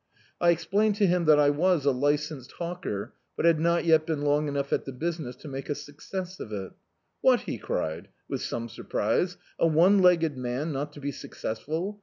I explained to him that I was a licensed hawker, but had not yet been long enough at the business to make a suc cess of it "What," he cried with some surprise, "a one le^ed man not to be successful?